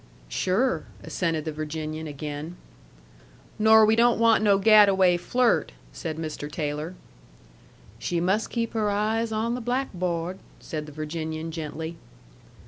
"Sure!" assented the Virginian again. "Nor we don't want no gad a way flirt," said Mr. Taylor. "She must keep her eyes on the blackboa'd," said the Virginian, gently.